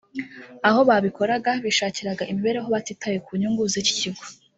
Aho babikoraga bishakiraga imibereho batitaye ku nyungu z’iki kigo